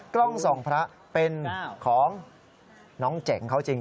กล้องส่องพระเป็นของน้องเจ๋งเขาจริง